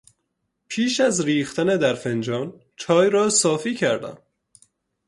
پیش از ریختن در فنجان چای را صافی کردم.